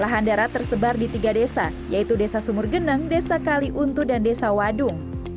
lahan darat tersebar di tiga desa yaitu desa sumur geneng desa kaliuntu dan desa wadung